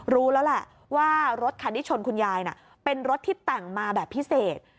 รู้แล้วแหละว่ารถคันที่ชนคุณยายน่ะเป็นรถที่แต่งมาแบบพิเศษ